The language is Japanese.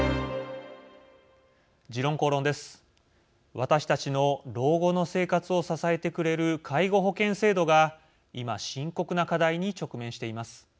私たちの老後の生活を支えてくれる介護保険制度が今、深刻な課題に直面しています。